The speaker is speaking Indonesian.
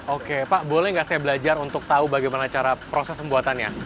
oke pak boleh nggak saya belajar untuk tahu bagaimana cara proses pembuatannya